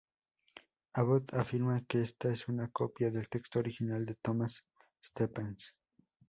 Abbott afirma que esta es una copia del texto original de Thomas Stephens.